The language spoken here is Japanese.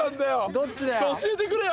どっちだよ？